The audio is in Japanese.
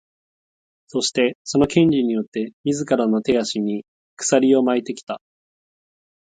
そして、その「権利」によって自らの手足に鎖を巻いてきた。